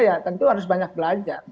ya tentu harus banyak belajar